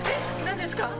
何ですか？